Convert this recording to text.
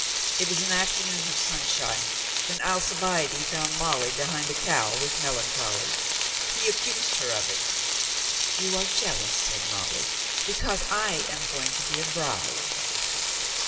It was an afternoon of sunshine when Alcibiade found Molly behind a cow with melan choly. He accused her of it. "You are jealous," said Molly, "because I am going to be a bride."